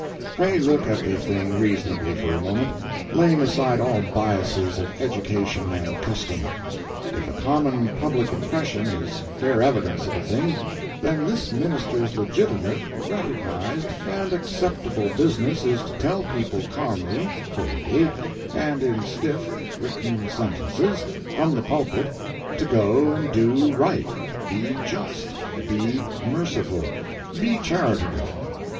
] Pray look at the thing reasonably for a moment, laying aside all biasses of education and custom. If a common public impression is fair evidence of a thing, then this minister's legitimate, recognized, and acceptable business is to tell people calmly, coldly, and in stiff, written sentences, from the pulpit, to go and do right, be just, be merciful, be charitable.